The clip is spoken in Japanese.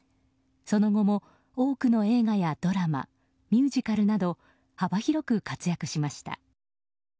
その後も多くの映画やドラマミュージカルなど幅広く活躍しました。